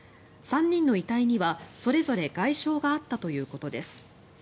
３人の遺体には、それぞれ外傷があったということです。